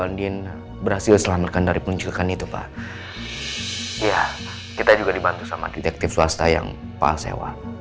alhamdulillah bu andin berhasil selamatkan dari penjagaan itu pak iya kita juga dibantu sama detektif swasta yang pak alsewa